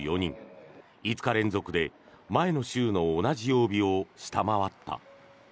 ５日連続で前の週の同じ曜日を下回った。